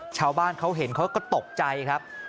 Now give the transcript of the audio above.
ชาวบ้านเขาเห็นเขาก็ตกใจครับ